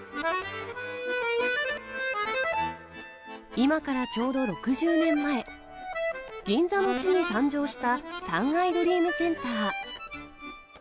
今からちょうど６０年前、銀座の地に誕生した三愛ドリームセンター。